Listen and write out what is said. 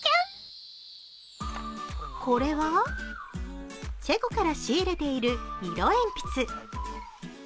これはチェコから仕入れている色鉛筆。